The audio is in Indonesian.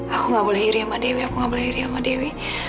aku gak boleh iri sama dewi aku gak boleh iri sama dewi